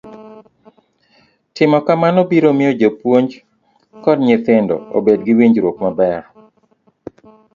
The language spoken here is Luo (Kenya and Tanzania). Timo kamano biro miyo jopuonj kod nyithindo obed gi winjruok maber.